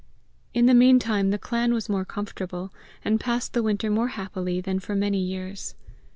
In the meantime the clan was more comfortable, and passed the winter more happily, than for many years.